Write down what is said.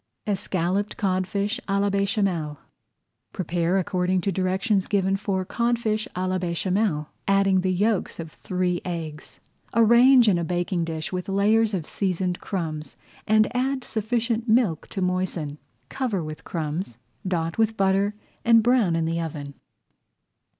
ESCALLOPED CODFISH À LA BÉCHAMEL Prepare according to directions given for Codfish à la Béchamel, adding the yolks of three eggs. Arrange in a baking dish with layers of seasoned crumbs, and add sufficient milk to moisten. Cover with crumbs, dot with butter, and brown in the oven.